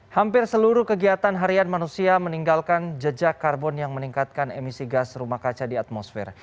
hampir seluruh kegiatan harian manusia meninggalkan jejak karbon yang meningkatkan emisi gas rumah kaca di atmosfer